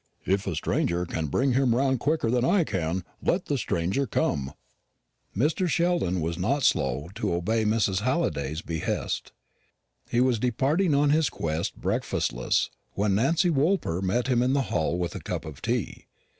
If a stranger can bring him round quicker than I can, let the stranger come." Mr. Sheldon was not slow to obey Mrs. Halliday's behest. He was departing on his quest breakfastless, when Nancy Woolper met him in the hall with a cup of tea.